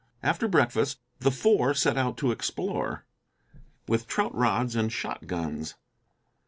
After breakfast, the Four set out to explore, with trout rods and shot guns.